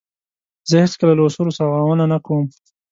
زه هیڅکله له اصولو سرغړونه نه کوم.